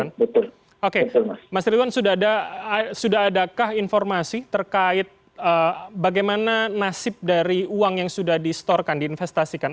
oke mas rituan sudah adakah informasi terkait bagaimana nasib dari uang yang sudah distorkan diinvestasikan